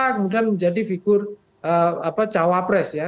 kemudian menjadi figur cawapres ya